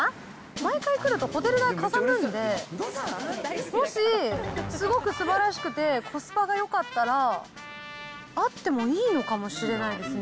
毎回来ると、ホテル代かさむんで、もし、すごくすばらしくて、コスパがよかったら、あってもいいのかもしれないですね。